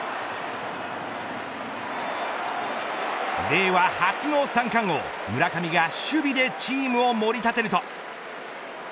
令和初の三冠王、村上が守備でチームをもり立てると。